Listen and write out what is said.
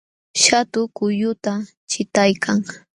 Shatu kulluta chiqtaykan